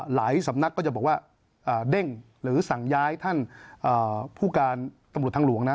สำนักก็จะบอกว่าเด้งหรือสั่งย้ายท่านผู้การตำรวจทางหลวงนะ